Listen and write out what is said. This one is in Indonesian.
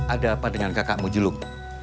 ada apa dengan kakakmu julung